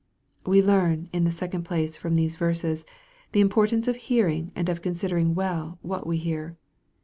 We learn, in the second place, from these verses, ths importance of hearing, and of considering well what we hear.